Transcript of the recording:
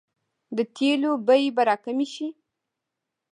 د تیلو بیې به راکمې شي؟